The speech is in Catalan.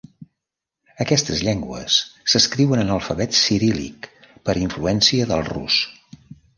Aquestes llengües s'escriuen en alfabet ciríl·lic per influència del rus.